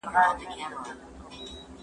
موږ باید د خپلو نظرونو په منشأ پوه شو.